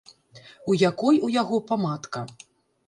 У якой у яго памадка.